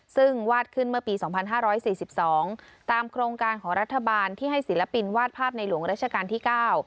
ซึ่งวาดขึ้นเมื่อปีสองพันห้าร้อยสี่สิบสองตามโครงการของรัฐบาลที่ให้ศิลปินวาดภาพในหลวงราชการที่๙